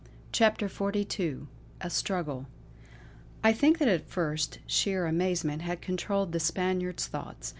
CHAPTER XLII A STRUGGLE I think that at first sheer amazement had controlled the Spaniard's thoughts.